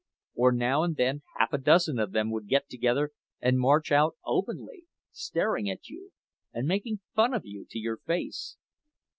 Or now and then half a dozen of them would get together and march out openly, staring at you, and making fun of you to your face.